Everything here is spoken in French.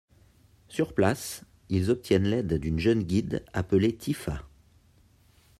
Sur place, ils obtiennent l'aide d'une jeune guide appelée Tifa.